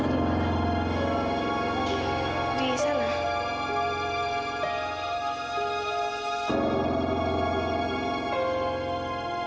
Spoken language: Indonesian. tempat tidurnya bau ampek